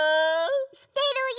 してるよ！